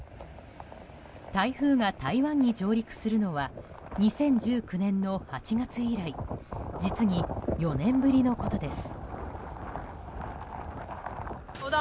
台風が台湾に上陸するのは２０１９年の８月以来実に４年ぶりのことです。